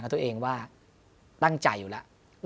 ตัวเองว่าตั้งใจอยู่แล้ว